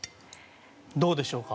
どうでしょうか？